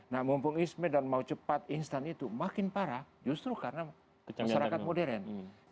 nah mumpung isme dan mau cepat instan itu makin parah justru karena masyarakat modern